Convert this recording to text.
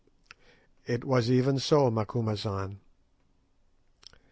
"It was even so, Macumazahn."